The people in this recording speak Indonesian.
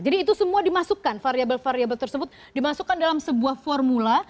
jadi itu semua dimasukkan variable variable tersebut dimasukkan dalam sebuah formula